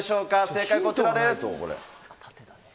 正解、こちらです。